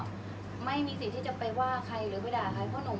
อันไหนที่มันไม่จริงแล้วอาจารย์อยากพูด